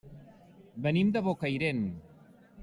Venim de Bocairent.